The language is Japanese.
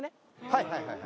はいはいはいはい